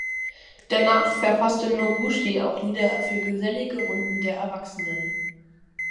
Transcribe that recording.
Danach verfasste Noguchi auch Lieder für gesellige Runden der Erwachsenen.